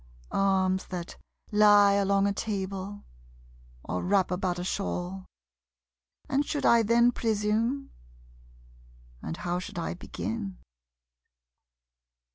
Arms that lie along a table, or wrap about a shawl. And should I then presume? And how should I begin?